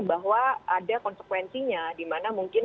bahwa ada konsekuensinya dimana mungkin